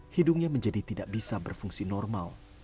hidungnya menjadi tidak bisa berfungsi normal